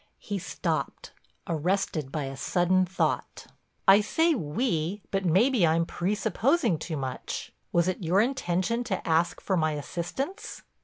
He stopped, arrested by a sudden thought. "I say 'we,' but maybe I'm presupposing too much. Was it your intention to ask for my assistance?"